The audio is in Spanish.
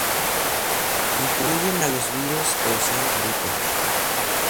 Incluyen a los virus causantes de la gripe.